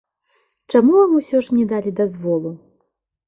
Чаму вам усё ж не далі дазволу?